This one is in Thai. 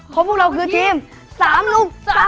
เพราะพวกเราคือทีม๓ลูก๓